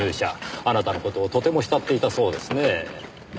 あなたの事をとても慕っていたそうですねぇ。